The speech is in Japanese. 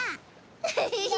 ウフフフ。